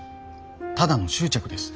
ただの執着です。